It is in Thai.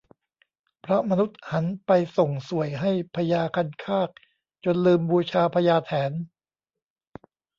เพราะมนุษย์หันไปส่งส่วยให้พญาคันคากจนลืมบูชาพญาแถน